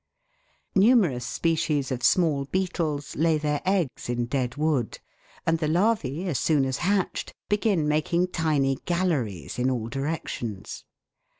Numerous species of small beetles lay their eggs in dead wood, and the larvae, as soon as hatched, begin making tiny galleries in all directions.